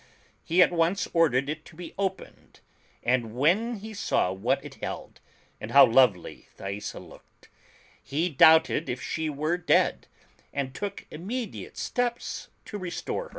He at once ordered it to be opened, and when he saw what it held, and how lovely Thaisa looked, he doubted if she were dead, and took immediate steps to restore her.